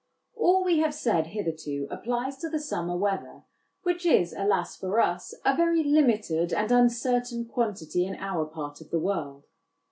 All we have said hitherto applies to the summer weather, which is, alas for us ! a very limited and uncertain quantity in our part of the world.